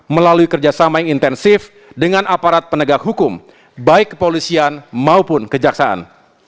melalui kerjasama yang intensif dengan aparat penegak hukum baik kepolisian maupun kejaksaan